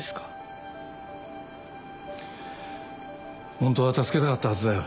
ホントは助けたかったはずだよ。